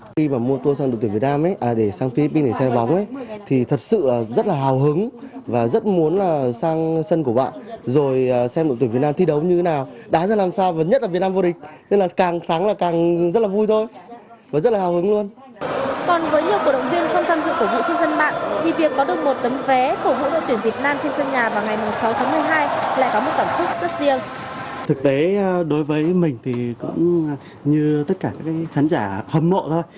khi mà mua tour sang đội tuyển việt nam